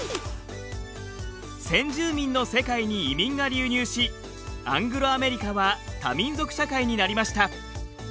先住民の世界に移民が流入しアングロアメリカは多民族社会になりました。